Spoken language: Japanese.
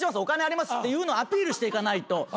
お金あります」っていうのをアピールしていかないと。